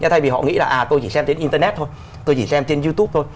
thay vì họ nghĩ là tôi chỉ xem trên internet thôi tôi chỉ xem trên youtube thôi